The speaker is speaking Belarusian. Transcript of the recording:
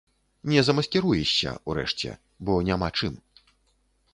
Не замаскіруешся, урэшце, бо няма чым.